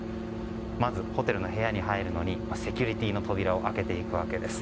まずホテルの部屋に入るのにセキュリティーの扉を開けていきます。